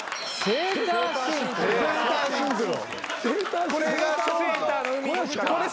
セーターシンクロ。